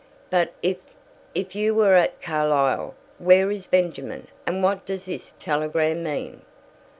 "But if if you were at Carlisle, where is Benjamin, and what does this telegram mean?"